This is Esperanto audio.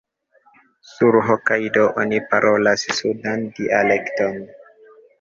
Sur Hokajdo oni parolas sudan dialekton.